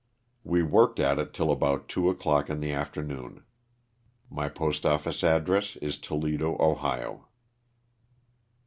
We worked at it till about two o'clock in the afternoon. My postoffice address is Toledo, Ohio.